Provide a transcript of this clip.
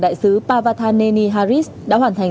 đại sứ pavathaneni haris đã hoàn thành